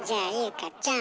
愛ちゃん